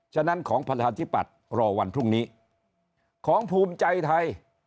ฉะนั้นของประชาธิปัตย์รอวันพรุ่งนี้ของภูมิใจไทย